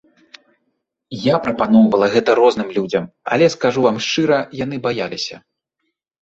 Я прапаноўвала гэта розным людзям, але, скажу вам шчыра, яны баяліся.